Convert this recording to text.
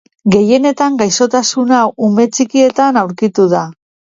Gehienetan, gaixotasun hau ume txikietan aurkitu da.